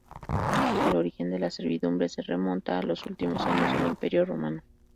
El origen de la servidumbre se remonta a los últimos años del Imperio romano.